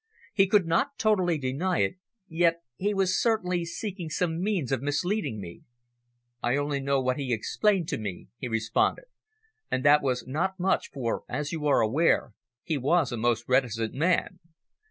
He could not totally deny it, yet he was certainly seeking some means of misleading me. "I only know what he explained to me," he responded. "And that was not much, for, as you are aware, he was a most reticent man.